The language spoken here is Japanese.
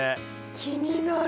気になる！